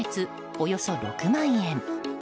およそ６万円。